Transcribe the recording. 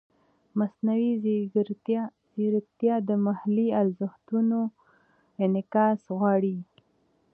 مصنوعي ځیرکتیا د محلي ارزښتونو انعکاس غواړي.